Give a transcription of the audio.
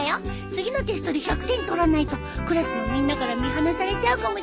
次のテストで１００点取らないとクラスのみんなから見放されちゃうかもしれないんだ。